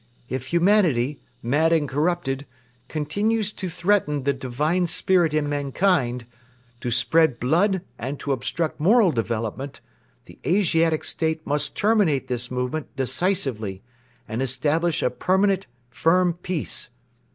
If humanity, mad and corrupted, continues to threaten the Divine Spirit in mankind, to spread blood and to obstruct moral development, the Asiatic State must terminate this movement decisively and establish a permanent, firm peace.